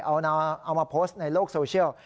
เอามาโพสต์ในโลกโซเชียล